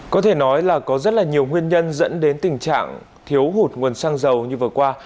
có thể nói là có rất là nhiều nguyên nhân dẫn đến tình trạng thiếu hụt nguồn xăng dầu như vừa qua